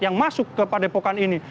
yang masuk ke padepokan ini